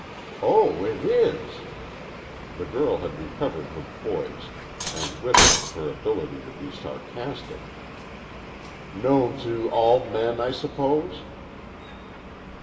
"Oh, it is!" The girl had recovered her poise, and with it her ability to be sarcastic. "Known to all men, I suppose?"